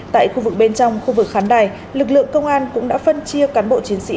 tại khu vực bên trong khu vực khán đài lực lượng công an cũng đã phân chia cán bộ chiến sĩ